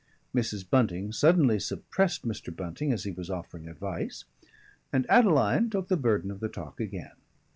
Mrs. Bunting suddenly suppressed Mr. Bunting as he was offering advice, and Adeline took the burden of the talk again.